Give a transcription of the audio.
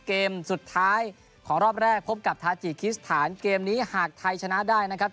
เกมสุดท้ายของรอบแรกพบกับทาจิคิสถานเกมนี้หากไทยชนะได้นะครับ